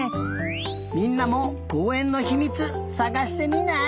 みんなもこうえんのひみつさがしてみない？